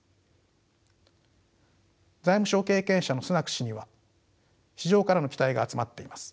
財務相経験者のスナク氏には市場からの期待が集まっています。